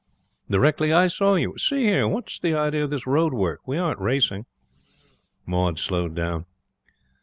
Directly I saw you see here, what's the idea of this road work? We aren't racing ' Maud slowed down.